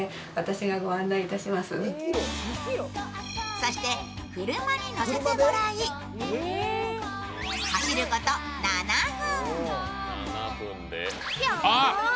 そして車に乗せてもらい、走ること７分。